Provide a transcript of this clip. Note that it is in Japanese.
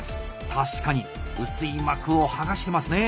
確かに薄い膜を剥がしてますね。